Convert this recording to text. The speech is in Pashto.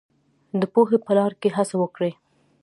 د پوهې په لار کې هڅه وکړئ.